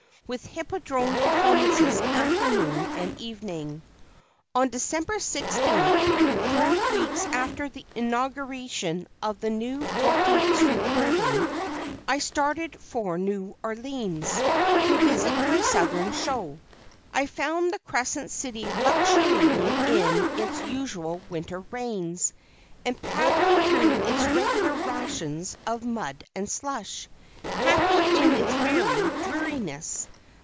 with hippodrome performances afternoon and evening. On December 16th, four weeks after the inauguration of the new Fourteenth street building, I started for New Orleans, to visit my southern show. I found the Crescent City luxuriating in its usual winter rains, and paddling through its regular rations of mud and slush happy in its very dreariness.